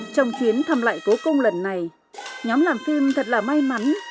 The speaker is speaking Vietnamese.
trong chuyến thăm lại cố cung lần này nhóm làm phim thật là may mắn